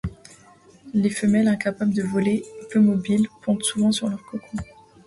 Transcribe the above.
Les femelles, incapables de voler, peu mobiles, pondent souvent sur leur cocon.